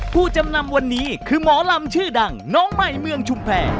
ผู้จำนำวันนี้คือหมอลำชื่อดังน้องใหม่เมืองชุมแพร